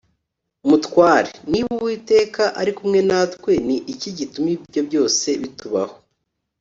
mutware niba uwiteka ari kumwe natwe ni iki gituma ibyo byose bitubaho